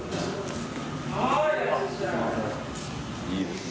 いいですね